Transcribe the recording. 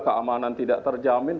keamanan tidak terjamin